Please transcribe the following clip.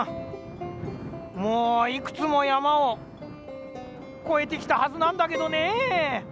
もういくつもやまをこえてきたはずなんだけどねぇ。